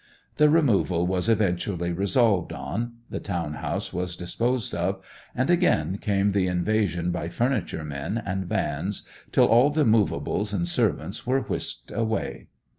The removal was eventually resolved on; the town house was disposed of; and again came the invasion by furniture men and vans, till all the movables and servants were whisked away.